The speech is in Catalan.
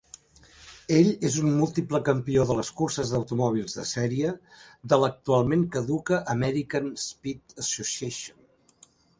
Ell és un múltiple campió de les curses d'automòbils de sèrie de l'actualment caduca American Speed Association.